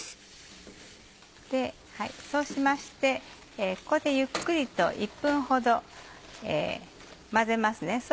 そうしましてここでゆっくりと１分ほど混ぜますね。